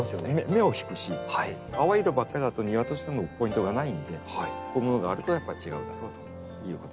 目を引くし淡い色ばっかりだと庭としてのポイントがないんでこういうものがあるとやっぱり違うだろうということですね。